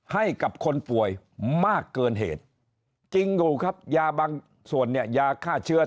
ให้กับคนป่วยมากเกินเหตุจริงอยู่ครับยาบางส่วนเนี่ยยาฆ่าเชื้อ